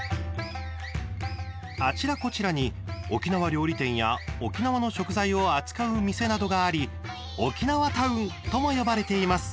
あちらこちらに沖縄料理店や沖縄の食材を扱う店などがあり沖縄タウンとも呼ばれています。